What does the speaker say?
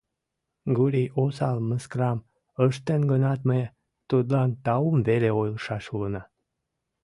— Гурий осал мыскарам ыштен гынат, ме тудлан таум веле ойлышаш улына.